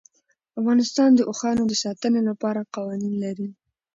افغانستان د اوښانو د ساتنې لپاره قوانین لري.